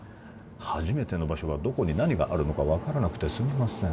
初めての場所はどこに何があるのか分からなくてすみません